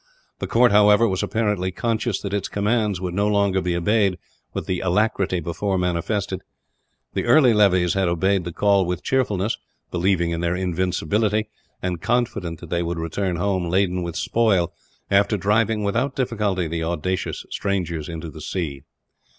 The court, however, was apparently conscious that its commands would no longer be obeyed with the alacrity before manifested. The early levies had obeyed the call with cheerfulness; believing in their invincibility, and confident that they would return home laden with spoil after driving, without difficulty, the audacious strangers into the sea.